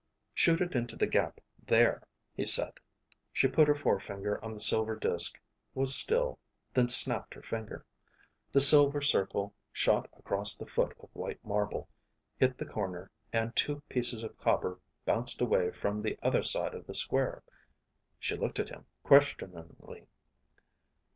"Shoot it into the gap there," he said. She put her forefinger on the silver disk, was still, and then snapped her finger. The silver circle shot across the foot of white marble, hit the corner, and two pieces of copper bounced away from the other side of the square. She looked at him, questioningly.